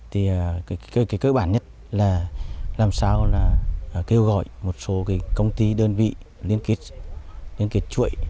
thì cái cơ bản nhất là làm sao là kêu gọi một số công ty đơn vị liên kết chuỗi